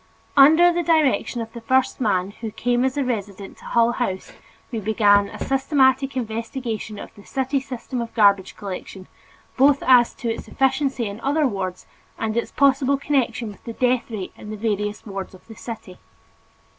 Under the direction of the first man who came as a resident to Hull House we began a systematic investigation of the city system of garbage collection, both as to its efficiency in other wards and its possible connection with the death rate in the various wards of the city.